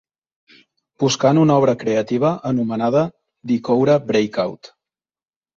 Buscant una obra creativa anomenada The Cowra Breakout